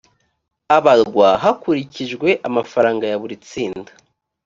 abarwa hakurikijwe amafaranga ya buri tsinda